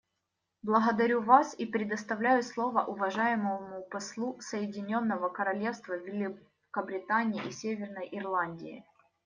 Благодарю вас и предоставляю слово уважаемому послу Соединенного Королевства Великобритании и Северной Ирландии.